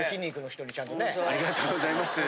ありがとうございます。